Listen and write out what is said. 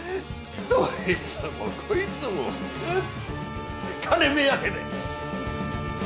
どいつもこいつも金目当てで。